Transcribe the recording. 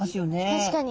確かに。